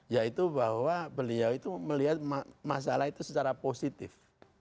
yaitu bahwa beliau itu melihat masalah itu secara positif